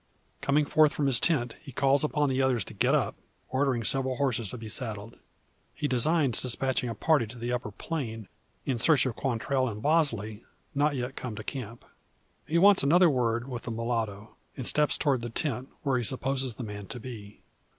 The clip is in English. Coming forth from his tent, he calls upon the others to get up ordering several horses to be saddled. He designs despatching a party to the upper plain, in search of Quantrell and Bosley, not yet come to camp. He wants another word with the mulatto; and steps towards the tent, where he supposes the man to be.